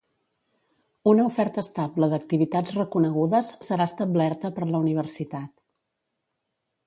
Una oferta estable d'activitats reconegudes serà establerta per la Universitat.